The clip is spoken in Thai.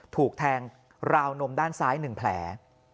ถูกแทงราวนมด้านซ้าย๑แผล